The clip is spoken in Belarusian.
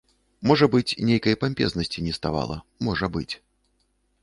Можа быць нейкай пампезнасці неставала, можа быць.